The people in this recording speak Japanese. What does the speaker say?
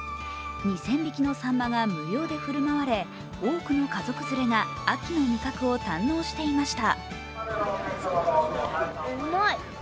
２０００匹のさんまが無料で振る舞われ多くの家族連れが秋の味覚を堪能しました。